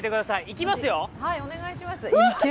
行きますよ！